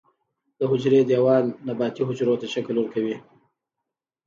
د حجرې دیوال نباتي حجرو ته شکل ورکوي